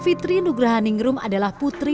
fitri nugrahaningrum adalah putri